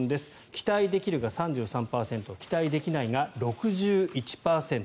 期待できるが３３％期待できないが６１％。